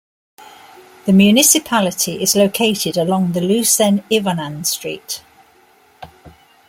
The municipality is located along the Lucens-Yvonand street.